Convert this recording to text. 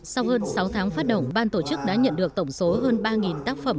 sau hơn sáu tháng phát động ban tổ chức đã nhận được tổng số hơn ba tác phẩm